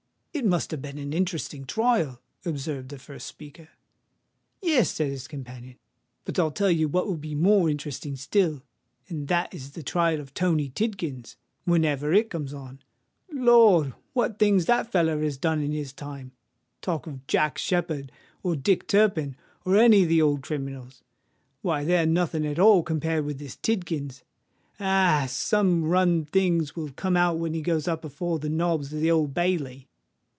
"It must have been an interesting trial," observed the first speaker. "Yes," said his companion; "but I'll tell you what will be more interesting still—and that is the trial of Tony Tidkins, whenever it comes on. Lord! what things that feller has done in his time! Talk of Jack Sheppard, or Dick Turpin, or any of the old criminals—why, they're nothing at all compared with this Tidkins. Ah! some rum things will come out when he goes up afore the nobs at the Old Bailey!"